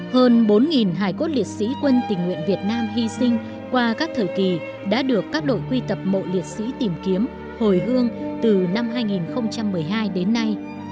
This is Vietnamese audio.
hơn bốn hài cốt liệt sĩ quân tình nguyện việt nam hy sinh qua các thời kỳ đã được các đội quy tập mộ liệt sĩ tìm kiếm hồi hương từ năm hai nghìn một mươi hai đến nay